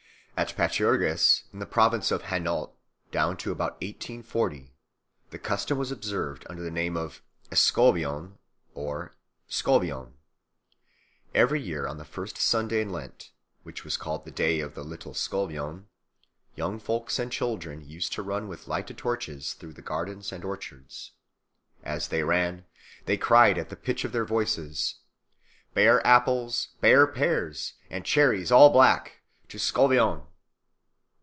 At Pâturages, in the province of Hainaut, down to about 1840 the custom was observed under the name of Escouvion or Scouvion. Every year on the first Sunday of Lent, which was called the Day of the Little Scouvion, young folks and children used to run with lighted torches through the gardens and orchards. As they ran they cried at the pitch of their voices: "Bear apples, bear pears, and cherries all black To Scouvion!"